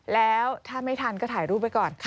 แล้วถ้าไม่ทันก็ถ่ายรูปไว้ก่อน